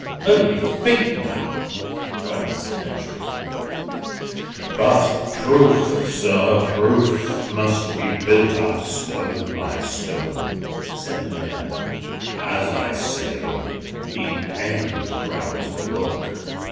"Only think now!" cried Mr. Datchery. "But proof, sir, proof must be built up stone by stone," said the Mayor. "As I say, the end crowns the work.